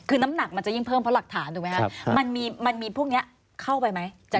คือน้ำหนักมันจะยิ่งเพิ่มเพราะหลักฐานถูกไหมครับมันมีพวกนี้เข้าไปไหมจากคุณเมธัศน์เล่า